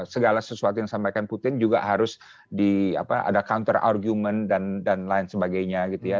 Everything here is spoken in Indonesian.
segala sesuatu yang disampaikan putin juga harus ada counter argumen dan lain sebagainya gitu ya